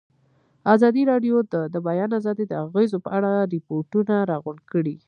ازادي راډیو د د بیان آزادي د اغېزو په اړه ریپوټونه راغونډ کړي.